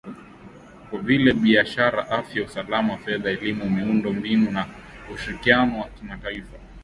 kama vile biashara afya usalama fedha elimu miundo mbinu na ushirikiano wa kimataifa